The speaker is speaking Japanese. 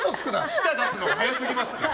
舌出すの早すぎますって。